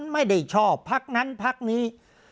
ไม่ได้ชอบพักนั้นพักนี้